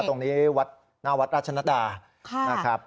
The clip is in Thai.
ตรงนี้วัดหน้าวัดราชนดานะครับ